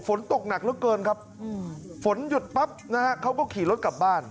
ฝนตกหนักเหลือเกินครับฝนหยุดปั๊บนะฮะเขาก็ขี่รถกลับบ้าน